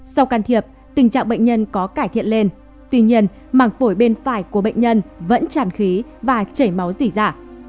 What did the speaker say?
sau can thiệp tình trạng bệnh nhân có cải thiện lên tuy nhiên mảng phổi bên phải của bệnh nhân vẫn tràn khí và chảy máu dỉ dạ